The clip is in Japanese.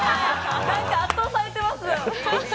なんか圧倒されてます。